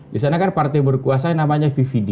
di sana kan partai berkuasa yang namanya vvd